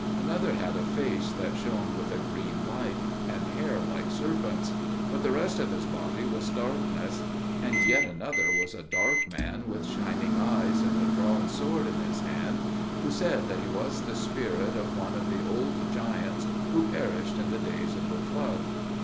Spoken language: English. Another had a face that shone with a green light, and hair like serpents, but the rest of his body was darkness; and yet another was a dark man with shining eyes, and a drawn sword in his hand, who said that he was the spirit of one of the old giants who perished in the days of the flood.